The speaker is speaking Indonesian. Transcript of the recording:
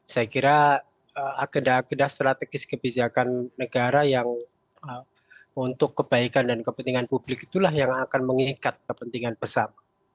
saya kira agenda agenda strategis kebijakan negara yang untuk kebaikan dan kepentingan publik itulah yang akan mengikat kepentingan besar